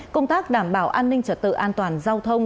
công tác đảm bảo an ninh trật tự an toàn giao thông